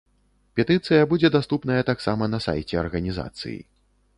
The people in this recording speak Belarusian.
Петыцыя будзе даступная таксама на сайце арганізацыі.